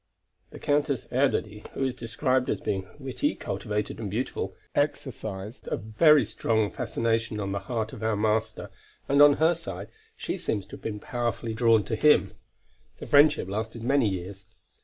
The Countess Erdödy, who is described as being witty, cultivated and beautiful, exercised a very strong fascination on the susceptible heart of our master, and on her side, she seems to have been powerfully drawn to him. The friendship lasted many years.